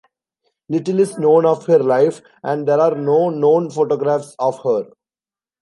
Little is known of her life, and there are no known photographs of her.